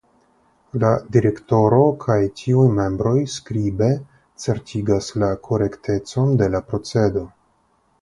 La Direktoro kaj tiuj membroj skribe certigas la korektecon de la procedo.